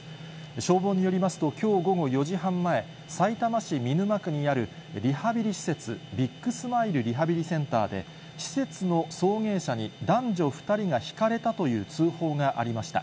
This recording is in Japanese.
消防によりますと、きょう午後４時半前、さいたま市みぬま区にあるリハビリ施設、ビッグスマイルリハビリセンターで、施設の送迎車に男女２人がひかれたという通報がありました。